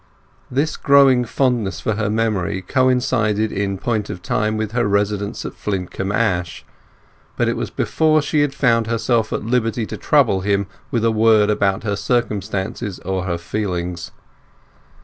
This growing fondness for her memory coincided in point of time with her residence at Flintcomb Ash, but it was before she had felt herself at liberty to trouble him with a word about her circumstances or her feelings.